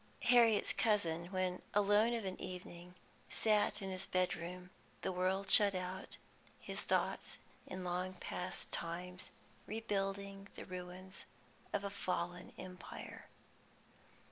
Harriet's cousin, when alone of an evening, sat in his bedroom, the world shut out, his thoughts in long past times, rebuilding the ruins of a fallen Empire.